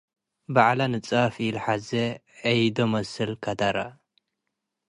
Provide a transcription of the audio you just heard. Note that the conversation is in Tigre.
በዐለ ንጻፍ ኢለሐዜ - ዒዶ መስል ከደረ